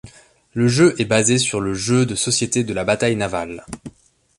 Le jeu est basé sur le jeu de société de la bataille navale.